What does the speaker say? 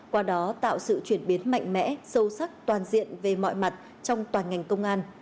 qua đó tạo sự chuyển biến mạnh mẽ sâu sắc toàn diện về mọi mặt trong toàn ngành công an